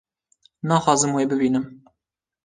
naxwazim wê bibînim